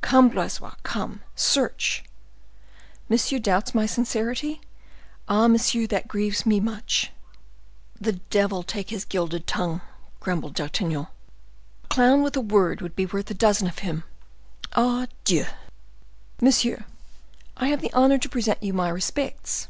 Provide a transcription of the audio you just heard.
"Come, Blaisois, come, search." "Monsieur doubts my sincerity? Ah, monsieur, that grieves me much." "The devil take his gilded tongue!" grumbled D'Artagnan. "A clown with a word would be worth a dozen of him. Adieu!" "Monsieur, I have the honor to present you my respects."